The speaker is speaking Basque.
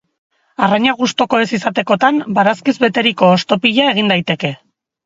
Arraina gustuko ez izatekotan, barazkiz beteriko hostopila egin daiteke.